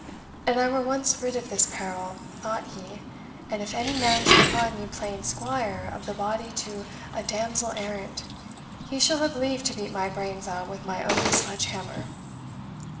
"An I were once rid of this peril," thought he, "and if any man shall find me playing squire of the body to a damosel errant, he shall have leave to beat my brains out with my own sledge hammer!"